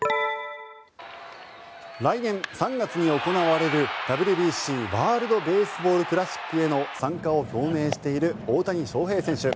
来年３月に行われるＷＢＣ＝ワールド・ベースボール・クラシックへの参加を表明している大谷翔平選手。